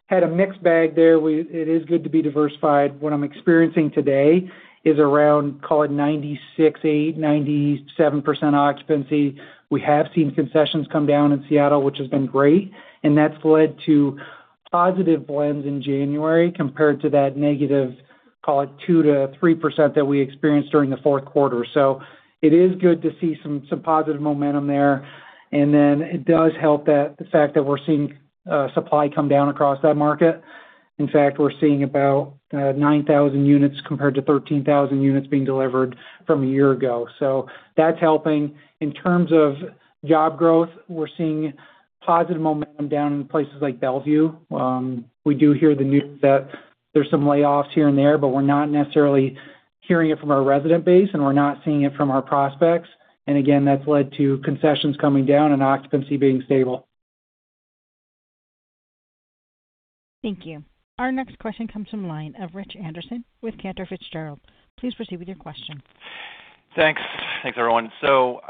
had a mixed bag there. It is good to be diversified. What I'm experiencing today is around, call it, 96%-97% occupancy. We have seen concessions come down in Seattle, which has been great. And that's led to positive blends in January compared to that negative, call it, 2%-3% that we experienced during the fourth quarter. So it is good to see some positive momentum there. And then it does help the fact that we're seeing supply come down across that market. In fact, we're seeing about 9,000 units compared to 13,000 units being delivered from a year ago. So that's helping. In terms of job growth, we're seeing positive momentum down in places like Bellevue. We do hear the news that there's some layoffs here and there, but we're not necessarily hearing it from our resident base, and we're not seeing it from our prospects. And again, that's led to concessions coming down and occupancy being stable. Thank you. Our next question comes from the line of Rich Anderson with Cantor Fitzgerald. Please proceed with your question. Thanks. Thanks, everyone. So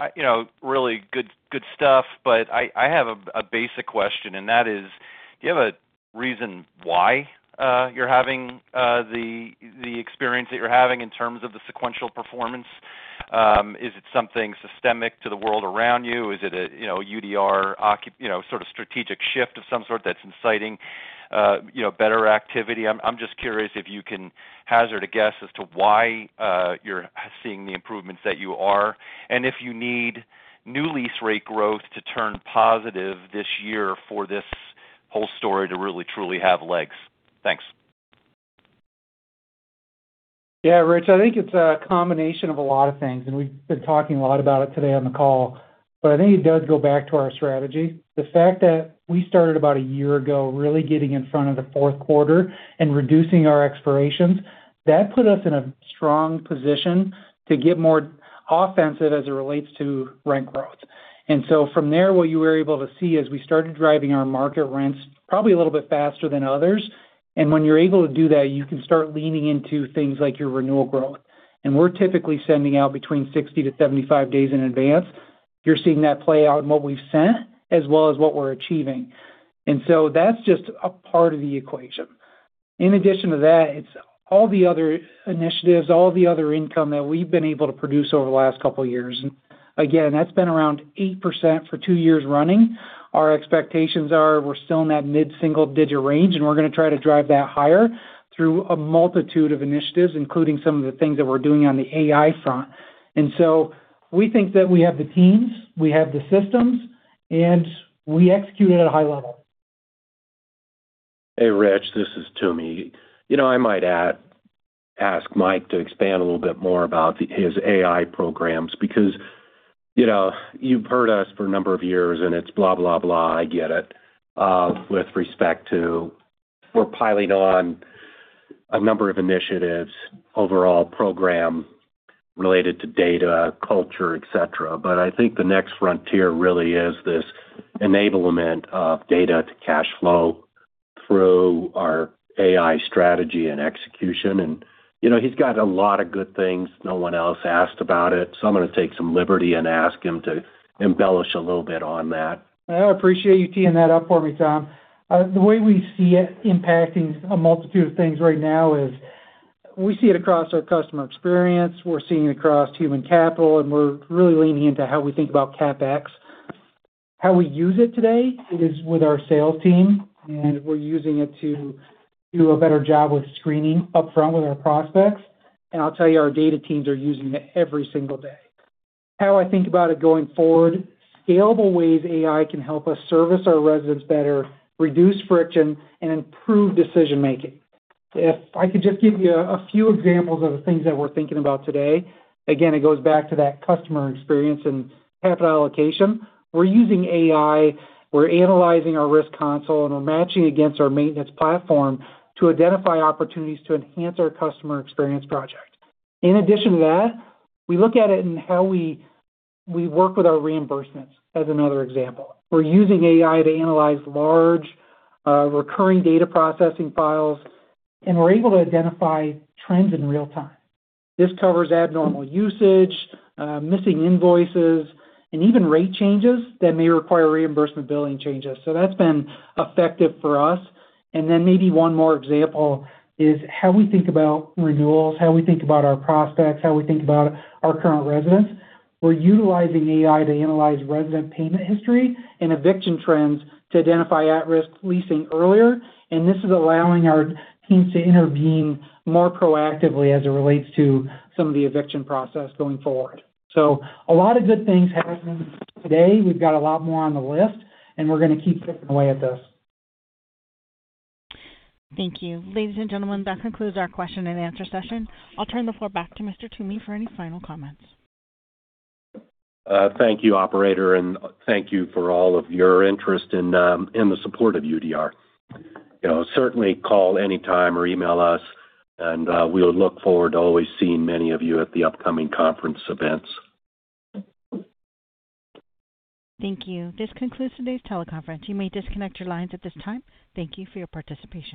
really good stuff. But I have a basic question. And that is, do you have a reason why you're having the experience that you're having in terms of the sequential performance? Is it something systemic to the world around you? Is it a UDR sort of strategic shift of some sort that's inciting better activity? I'm just curious if you can hazard a guess as to why you're seeing the improvements that you are and if you need new lease rate growth to turn positive this year for this whole story to really, truly have legs. Thanks. Yeah, Rich. I think it's a combination of a lot of things. We've been talking a lot about it today on the call. But I think it does go back to our strategy. The fact that we started about a year ago really getting in front of the fourth quarter and reducing our expirations, that put us in a strong position to get more offensive as it relates to rent growth. From there, what you were able to see is we started driving our market rents probably a little bit faster than others. When you're able to do that, you can start leaning into things like your renewal growth. We're typically sending out between 60-75 days in advance. You're seeing that play out in what we've sent as well as what we're achieving. That's just a part of the equation. In addition to that, it's all the other initiatives, all the other income that we've been able to produce over the last couple of years. And again, that's been around 8% for two years running. Our expectations are we're still in that mid-single-digit range, and we're going to try to drive that higher through a multitude of initiatives, including some of the things that we're doing on the AI front. And so we think that we have the teams. We have the systems. And we execute it at a high level. Hey, Rich. This is Toomey. I might ask Mike to expand a little bit more about his AI programs because you've heard us for a number of years, and it's blah, blah, blah. I get it with respect to we're piling on a number of initiatives, overall program related to data, culture, etc. But I think the next frontier really is this enablement of data to cash flow through our AI strategy and execution. And he's got a lot of good things. No one else asked about it. So I'm going to take some liberty and ask him to embellish a little bit on that. I appreciate you teeing that up for me, Tom. The way we see it impacting a multitude of things right now is we see it across our customer experience. We're seeing it across human capital. We're really leaning into how we think about CapEx. How we use it today is with our sales team. We're using it to do a better job with screening upfront with our prospects. I'll tell you, our data teams are using it every single day. How I think about it going forward, scalable ways AI can help us service our residents better, reduce friction, and improve decision-making. If I could just give you a few examples of the things that we're thinking about today, again, it goes back to that customer experience and capital allocation. We're using AI. We're analyzing our risk console, and we're matching against our maintenance platform to identify opportunities to enhance our Customer Experience Project. In addition to that, we look at it in how we work with our reimbursements as another example. We're using AI to analyze large recurring data processing files. We're able to identify trends in real time. This covers abnormal usage, missing invoices, and even rate changes that may require reimbursement billing changes. That's been effective for us. Then maybe one more example is how we think about renewals, how we think about our prospects, how we think about our current residents. We're utilizing AI to analyze resident payment history and eviction trends to identify at-risk leasing earlier. This is allowing our teams to intervene more proactively as it relates to some of the eviction process going forward. A lot of good things happening today. We've got a lot more on the list. We're going to keep chipping away at this. Thank you. Ladies and gentlemen, that concludes our question and answer session. I'll turn the floor back to Mr. Toomey for any final comments. Thank you, operator. Thank you for all of your interest in the support of UDR. Certainly, call anytime or email us. We'll look forward to always seeing many of you at the upcoming conference events. Thank you. This concludes today's teleconference. You may disconnect your lines at this time. Thank you for your participation.